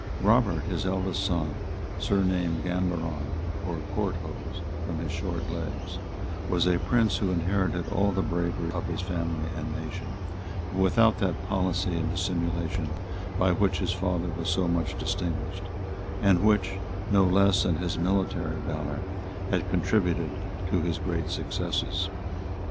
Robert, his eldest son, surnamed Gambaron or Courthose, from his short legs, was a prince who inherited all the bravery of his family and nation; but without that policy and dissimulation by which his father was so much distinguished, and which, no less than his military valor, had contributed to his great successes.